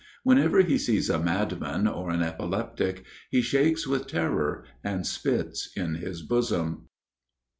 Whenever he sees a madman or an epileptic, he shakes with terror and spits in his bosom.